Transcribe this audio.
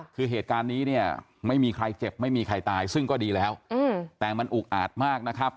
คือเหตุการณ์นี้เนี่ยไม่มีใครเจ็บไม่มีใครตายซึ่งก็ดีแล้วแต่มันอุกอาจมากนะครับ